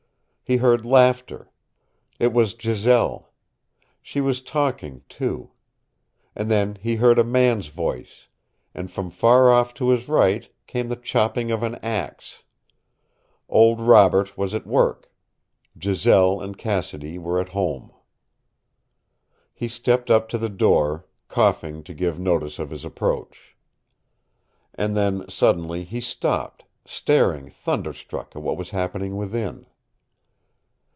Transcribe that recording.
He heard laughter. It was Giselle. She was talking, too. And then he heard a man's voice and from far off to his right came the chopping of an axe. Old Robert was at work. Giselle and Cassidy were at home. He stepped up to the door, coughing to give notice of his approach. And then, suddenly, he stopped, staring thunderstruck at what was happening within.